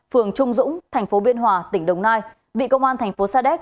phường trung dũng thành phố biên hòa tỉnh đồng nai bị công an thành phố sa đéc